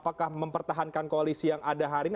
apakah mempertahankan koalisi yang ada hari ini